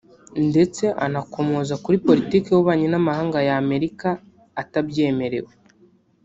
ndetse anakomoza kuri politiki y’ububanyi n’amahanga ya Amerika atabyemerewe